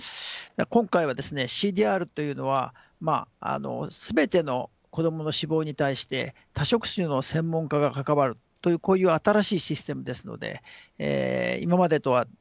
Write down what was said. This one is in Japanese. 今回はＣＤＲというのは全ての子どもの死亡に対して多職種の専門家が関わるという新しいシステムですので今までとは異なっています。